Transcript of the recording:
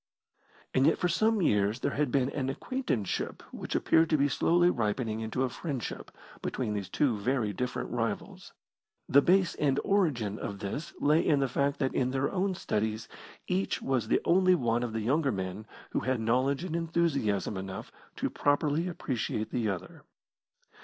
And yet for some years there had been an acquaintanceship which appeared to be slowly ripening into a friendship between these two very different rivals. The base and origin of this lay in the fact that in their own studies each was the only one of the younger men who had knowledge and enthusiasm enough to properly appreciate the other.